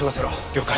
了解。